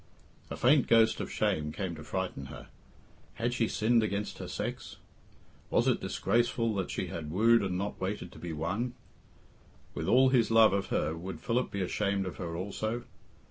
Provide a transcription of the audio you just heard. A faint ghost of shame came to frighten her. Had she sinned against her sex? Was it disgraceful that she had wooed and not waited to be won? With all his love of her, would Philip be ashamed of her also?